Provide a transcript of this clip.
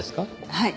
はい。